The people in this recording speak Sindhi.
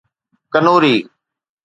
ڪنوري